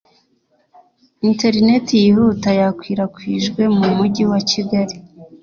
Internet yihuta yakwirakwijwe mu mujyi wa Kigali